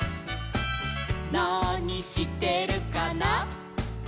「なにしてるかな」